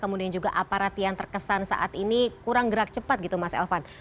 kemudian juga aparat yang terkesan saat ini kurang gerak cepat gitu mas elvan